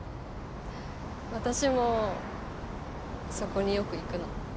私もそこによく行くの。